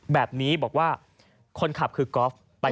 แบบนี้บอกว่าคนขับคือกอลฟไปกับมิล